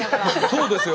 そうですよ！